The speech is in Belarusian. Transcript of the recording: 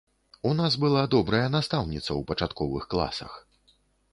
У нас была добрая настаўніца ў пачатковых класах.